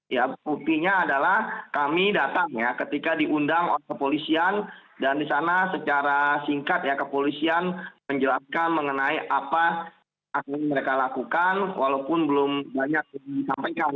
ya buktinya adalah kami datang ya ketika diundang oleh kepolisian dan di sana secara singkat ya kepolisian menjelaskan mengenai apa yang mereka lakukan walaupun belum banyak disampaikan